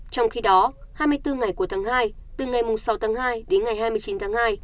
trong khi đó hai mươi bốn ngày cuối tháng hai từ ngày sáu tháng hai đến ngày hai mươi chín tháng hai